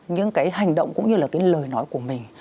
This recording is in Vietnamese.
những cái hành động cũng như là cái lời nói của mình